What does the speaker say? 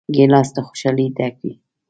ګیلاس له خوشحالۍ ډک وي.